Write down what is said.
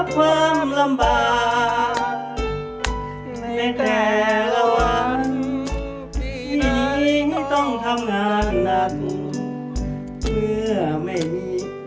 เพื่อไม่มี